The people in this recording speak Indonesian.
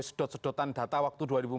sedot sedotan data waktu dua ribu empat belas